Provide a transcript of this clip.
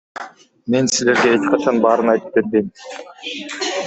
Мен силерге эч качан баарын айтып бербейм.